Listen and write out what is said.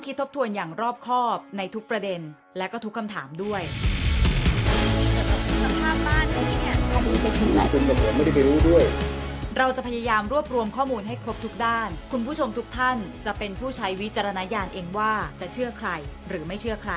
คนที่จะสิ้นใจให้ออกแล้วที่จะสู้ใช่ไหม